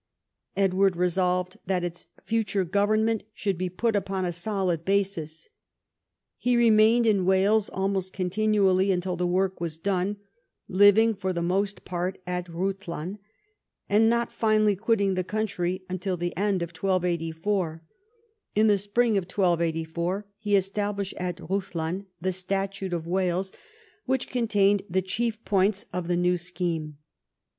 Edward re solved that its future government should be put upon a solid basis. He remained in Wales almost continually until the work was done, living for the most part at Ehuddlan, and not finally quitting the country until the end of 1284. In the spring of 1284 he published at Ehuddlan the Statute of Wales, which contained the chief points of the new scheme.